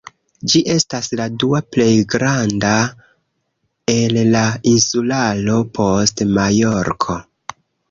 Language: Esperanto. Ĝi estas la dua plej granda el la insularo post Majorko.